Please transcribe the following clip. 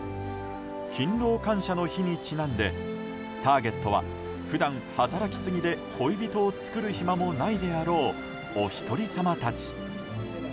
勤労感謝の日にちなんでターゲットは普段、働きすぎで恋人を作る暇もないであろうおひとり様たち。